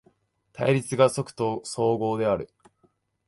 対立が即綜合である。